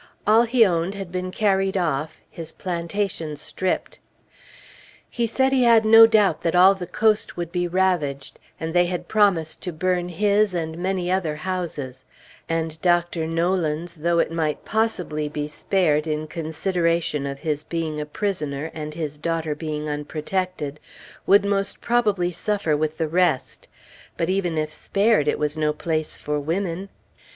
All he owned had been carried off, his plantation stripped. He said he had no doubt that all the coast would be ravaged, and they had promised to burn his and many other houses; and Dr. Nolan's though it might possibly be spared in consideration of his being a prisoner, and his daughter being unprotected would most probably suffer with the rest, but even if spared, it was no place for women.